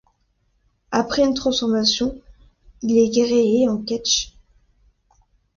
Après une transformation, il est gréé en ketch.